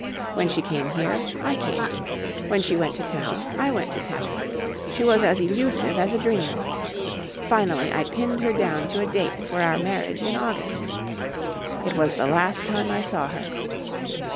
When she came here, I came. When she went to town, I went to town. She was as elusive as a dream. Finally I pinned her down to a date for our marriage in August. It was the last time I saw her.